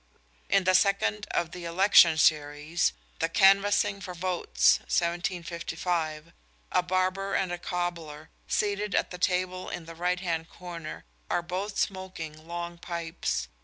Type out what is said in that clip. In the second of the "Election" series the Canvassing for Votes (1755) a barber and a cobbler, seated at the table in the right hand corner, are both smoking long pipes.